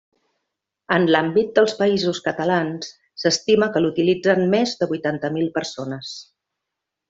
En l'àmbit dels Països Catalans, s'estima que l'utilitzen més de vuitanta mil persones.